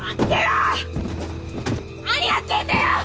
何やってんだよ！